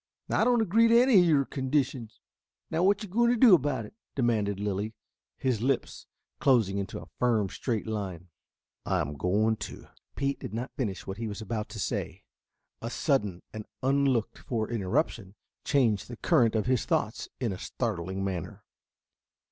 "I don't agree to any of your conditions. Now what are you going to do about it?" demanded Lilly, his lips closing into a firm, straight line. "I am going to " Pete did not finish what he was about to say. A sudden and unlooked for interruption changed the current of his thoughts in a startling manner.